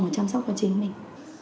và chăm sóc vào chính mình